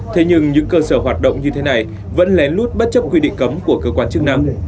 thế nhưng những cơ sở hoạt động như thế này vẫn lén lút bất chấp quy định cấm của cơ quan chức năng